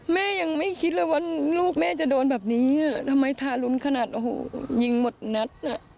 แม่ยังไม่คิดเลยว่าลูกแม่จะโดนแบบนี้ทำไมทารุณขนาดโอ้โหยิงหมดนัดน่ะ